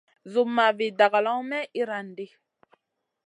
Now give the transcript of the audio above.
Zumma vi dagalawn may iyran ɗi.